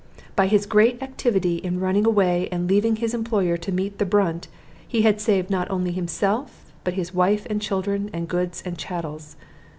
By his great activity in running away and leaving his employer to meet the brunt, he had saved not only himself, but his wife and children and goods and chattels.